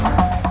aku kasih tau